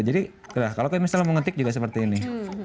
jadi kalau misalnya mau ngetik juga seperti ini